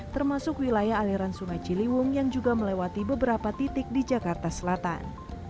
termasuk wilayah aliran sungai ciliwung yang juga melewati beberapa titik di jakarta selatan